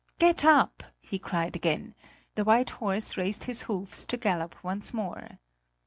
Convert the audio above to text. "Get up!" he cried again; the white horse raised his hoofs to gallop once more.